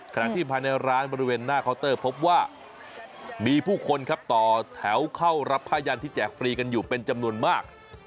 ขณะที่ภายในร้านบริเวณหน้าเคาน์เตอร์พบว่ามีผู้คนครับต่อแถวเข้ารับผ้ายันที่แจกฟรีกันอยู่เป็นจำนวนมาก